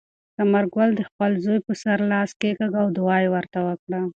ثمرګل د خپل زوی په سر لاس کېکاږه او دعا یې ورته وکړه.